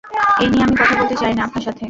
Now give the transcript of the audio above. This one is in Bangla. এ নিয়ে আমি কথা বলতে চাই না আপনার সাথে।